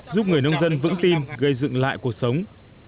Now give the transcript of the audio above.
giúp người nông dân vững tin gây dựng lại cuộc sống